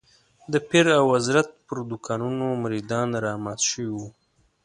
د پیر او حضرت پر دوکانونو مريدان رامات شوي وو.